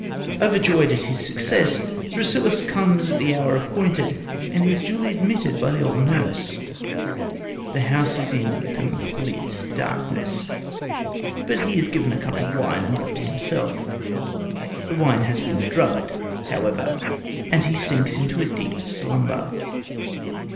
Overjoyed at his success, Thrasyllus comes at the hour appointed, and is duly admitted by the old nurse. The house is in complete darkness, but he is given a cup of wine and left to himself. The wine has been drugged, however, and he sinks into a deep slumber.